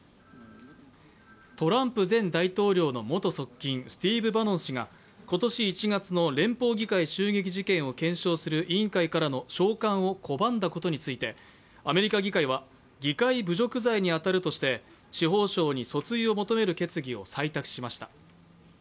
トランプ前大統領の元側近、スティーブ・バノン氏が今年１月の連邦議会襲撃事件を検証する委員会からの召喚を拒んだことについてアメリカ議会は、議会侮辱罪に当たるとして司法省に訴追を求める決議を採択しました。